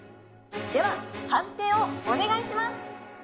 では判定をお願いします！